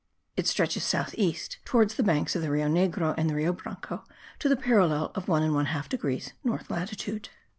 It stretches south east, towards the banks of the Rio Negro and the Rio Branco, to the parallel of 1 1/2 degrees north latitude.